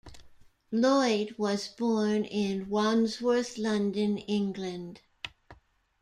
Lloyd was born in Wandsworth, London, England.